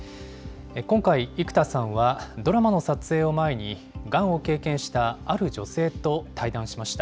今回、生田さんはドラマの撮影を前に、がんを経験したある女性と対談しました。